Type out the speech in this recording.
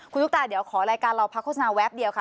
คุณตุ๊กตาเดี๋ยวขอรายการเราพักโฆษณาแวบเดียวค่ะ